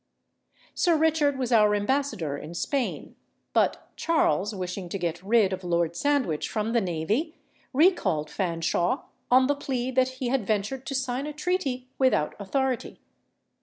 Sir Richard was our ambassador in Spain; but Charles, wishing to get rid of Lord Sandwich from the navy, recalled Fanshawe, on the plea that he had ventured to sign a treaty without authority.